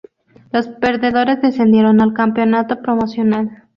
Los perdedores descendieron al "Campeonato Promocional".